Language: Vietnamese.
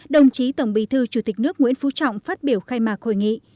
đồng chí tổng bí thư chủ tịch nước nguyễn phú trọng phát biểu khai mạc hội nghị